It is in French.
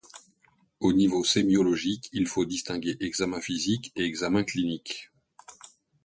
Au niveau sémiologique, il faut distinguer examen physique et examen clinique.